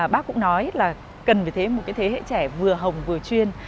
bác cũng nói là cần phải thấy một cái thế hệ trẻ vừa hồng vừa chuyên